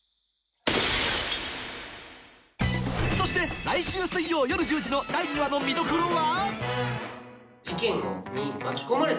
そして来週水曜夜１０時の第２話の見どころは？